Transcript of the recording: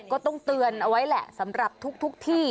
ก็ต้องเตือนเอาไว้แหละสำหรับทุกที่